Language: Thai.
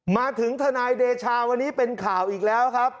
ทนายเดชาวันนี้เป็นข่าวอีกแล้วครับ